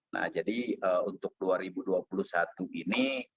nah jadi untuk dua ribu dua puluh satu ini